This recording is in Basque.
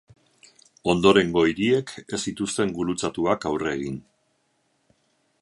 Ondorengo hiriek ez zituzten gurutzatuak aurre egin.